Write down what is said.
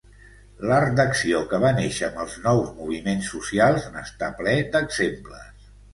L'art d'acció, que va néixer amb els nous moviments socials, n'està ple d'exemples.